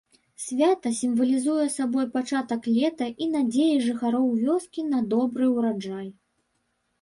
Свята сімвалізуе сабой пачатак лета і надзеі жыхароў вёскі на добры ураджай.